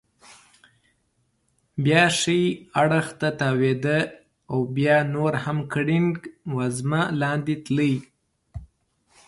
بیا ښي اړخ ته تاوېده او بیا نور هم ګړنګ وزمه لاندې تلی.